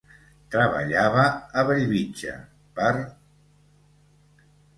Treballava a Bellvitge, per